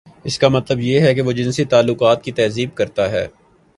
اس کا مطلب یہ ہے کہ وہ جنسی تعلقات کی تہذیب کرتا ہے۔